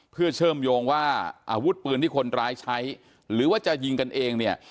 เพื่อเชื่อมโยงว่าอาวุธปืนที่คนร้ายใช้หรือว่าจะยิงกันเองเนี่ย